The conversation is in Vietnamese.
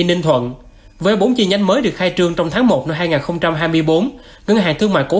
ninh thuận với bốn chi nhánh mới được khai trương trong tháng một năm hai nghìn hai mươi bốn ngân hàng thương mại cổ